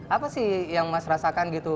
apa sih yang mas rasakan gitu